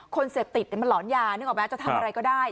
คนเสพติดมันหลอนยานึกออกไหมจะทำอะไรก็ได้